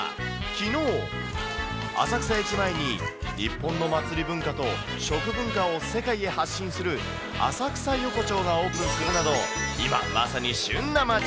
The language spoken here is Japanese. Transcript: きのう、浅草駅前に日本の祭り文化と、食文化を世界へ発信する、浅草横町がオープンするなど、今、まさに旬な街。